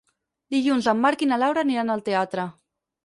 Dilluns en Marc i na Laura aniran al teatre.